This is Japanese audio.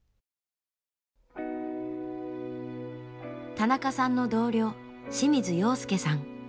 田中さんの同僚清水陽介さん。